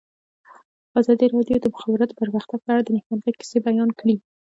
ازادي راډیو د د مخابراتو پرمختګ په اړه د نېکمرغۍ کیسې بیان کړې.